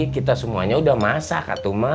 kita semuanya udah masak